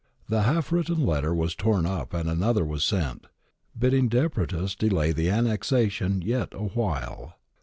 The half written letter was torn up and another was sent, bidding Depretis delay the annexation yet awhile.